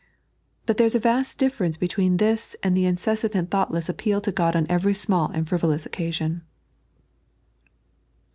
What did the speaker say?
But thera ia a vast difference between this and the incessant and thoughtless appeal to God on every small and frivolous occasion.